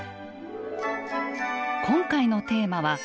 今回のテーマは「畳」。